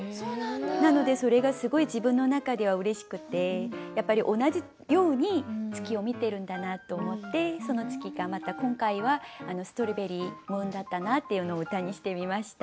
なのでそれがすごい自分の中ではうれしくてやっぱり同じように月を見てるんだなと思ってその月がまた今回はストロベリームーンだったなっていうのを歌にしてみました。